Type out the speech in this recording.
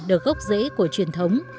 được gốc dễ của truyền thống